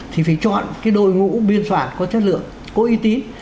thì phải chọn cái đội ngũ biên soạn có chất lượng có uy tín